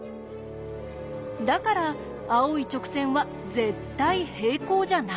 だから青い直線は絶対平行じゃないんです。